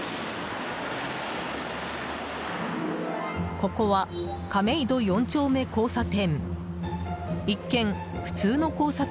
ここは亀戸四丁目交差点。